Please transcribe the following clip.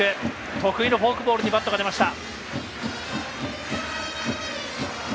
得意のフォークボールにバットが出ました。